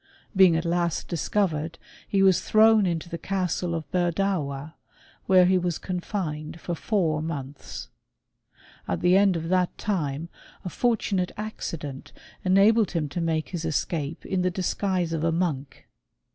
Being at last discovered he was thrown ititO the castle of Bcrdawa, where he was confined for foilf months. At the end of that time a fortunate accident ^iiabled him to make his escape, in the disguise of a monk.